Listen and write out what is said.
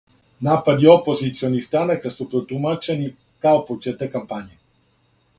Напади опозиционих странака су протумачени као почетак кампање.